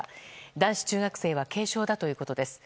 男子中学生は軽傷だということです。